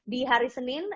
di hari senin